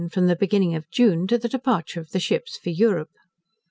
From the Beginning of June, to the Departure of the Ships for Europe.